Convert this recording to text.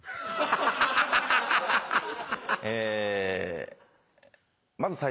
え。